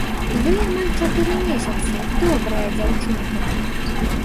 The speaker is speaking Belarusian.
Ёй амаль чатыры месяцы, добрая дзяўчынка.